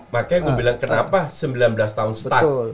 makanya gue bilang kenapa sembilan belas tahun stuck